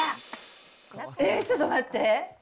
えっ、ちょっと待って。